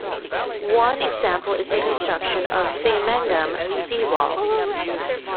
One example is the construction of Saemangeum Seawall.